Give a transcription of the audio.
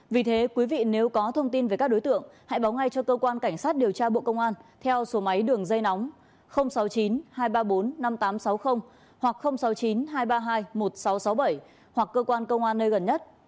vì thế quý vị nếu có thông tin về các đối tượng hãy báo ngay cho cơ quan cảnh sát điều tra bộ công an theo số máy đường dây nóng sáu mươi chín hai trăm ba mươi bốn năm nghìn tám trăm sáu mươi hoặc sáu mươi chín hai trăm ba mươi hai một nghìn sáu trăm sáu mươi bảy hoặc cơ quan công an nơi gần nhất